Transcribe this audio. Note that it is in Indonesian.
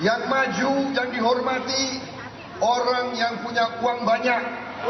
yang maju yang dihormati orang yang punya uang banyak